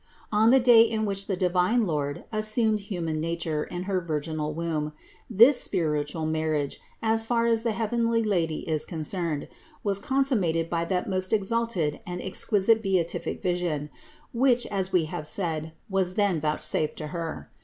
On the day in which the divine Lord assumed human nature in her virginal womb, this spiritual marriage, as far as the heavenly Lady is concerned, was consummated by that most exalted and exquisite beatific vision, which, as we have said, was then vouchsafed to Her.